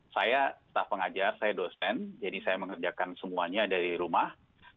saya staff pengajar saya dosen jadi saya mengerjakan semuanya dari rumah